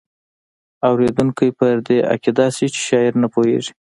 اوریدونکی پر دې عقیده شي چې شاعر نه پوهیږي.